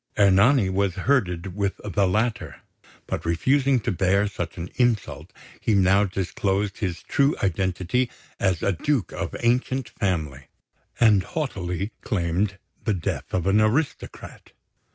Ernani was herded with the latter; but refusing to bear such an insult, he now disclosed his true identity as a Duke of ancient family, and haughtily claimed the death of an aristocrat.